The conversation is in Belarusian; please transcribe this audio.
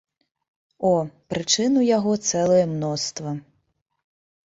О, прычын у яго цэлае мноства.